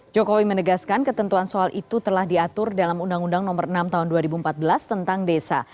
jokowi menegaskan ketentuan soal itu telah diatur dalam undang undang nomor enam tahun dua ribu empat belas tentang desa